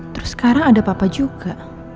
terus sekarang ada papa juga